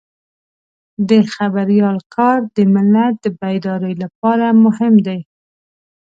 د خبریال کار د ملت د بیدارۍ لپاره مهم دی.